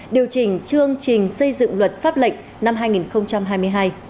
điều chỉnh chương trình xây dựng luật pháp lệnh năm hai nghìn hai mươi hai